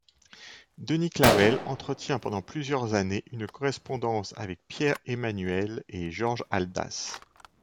Denis Clavel entretient pendant plusieurs années une correspondance avec Pierre Emmanuel et Georges Haldas.